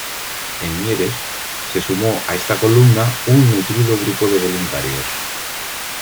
En Mieres se sumó a esta columna un nutrido grupo de voluntarios.